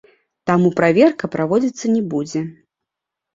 Таму праверка праводзіцца не будзе.